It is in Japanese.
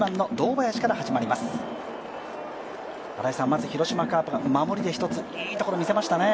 まず広島カープが守りで１つ、いいところを見せましたね。